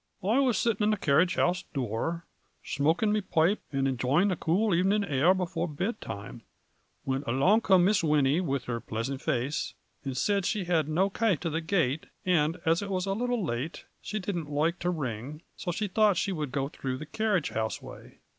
" I was sitting in the carriage house door, slimoking my poipe and enjoying the cool even ing air before bed time, whin along came Miss Winnie with her pleasant face, and said she had no kay to the gate, and, as it was a little late, she didn't loike to ring, so she thought she A FLURRY IN DIAMONDS. 59 would go through the carriage house way.